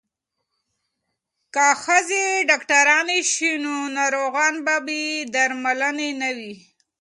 که ښځې ډاکټرانې شي نو ناروغان به بې درملنې نه وي.